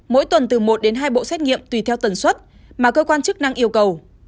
mỗi tuần từ một đến hai bộ xét nghiệm tùy theo tần suất mà cơ quan chức năng yêu cầu